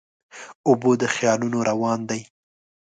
اوبه د خیالونو روان دي.